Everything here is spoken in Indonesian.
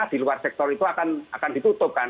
di luar sektor itu akan ditutupkan